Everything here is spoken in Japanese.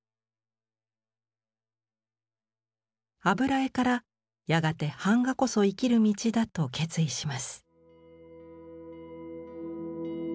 油絵からやがて板画こそ生きる道だと決意します。